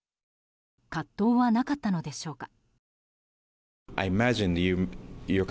葛藤はなかったのでしょうか。